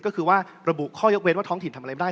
ก็คือว่าระบุข้อยกเว้นว่าท้องถิ่นทำอะไรไม่ได้